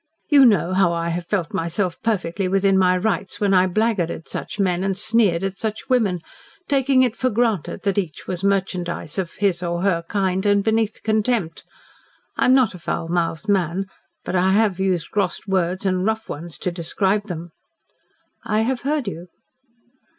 "You know how I have felt myself perfectly within my rights when I blackguarded such men and sneered at such women taking it for granted that each was merchandise of his or her kind and beneath contempt. I am not a foul mouthed man, but I have used gross words and rough ones to describe them." "I have heard you."